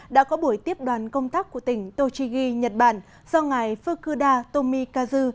đã có buổi tiếp đoàn công tác của tỉnh tochigi nhật bản do ngài fukuda tomikazu